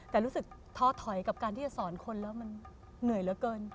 แต่รู้สึกท้อถอยกับการที่จะสอนคนแล้วมันเหนื่อยเหลือเกิน